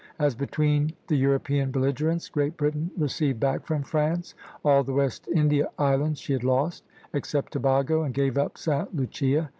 As between the European belligerents, Great Britain received back from France all the West India Islands she had lost, except Tobago, and gave up Sta. Lucia.